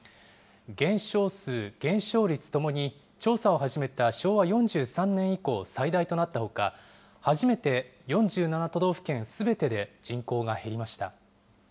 減少数、減少率ともに、調査を始めた昭和４３年以降最大となったほか、初めて４７都道府県すべてで人口が減りました。